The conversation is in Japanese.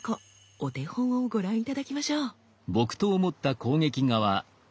お手本をご覧頂きましょう。